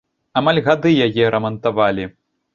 Амаль гады яе рамантавалі.